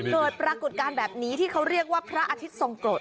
เกิดปรากฏการณ์แบบนี้ที่เขาเรียกว่าพระอาทิตย์ทรงกรด